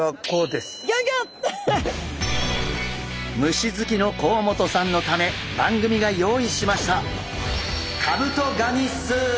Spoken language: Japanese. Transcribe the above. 虫好きの甲本さんのため番組が用意しました。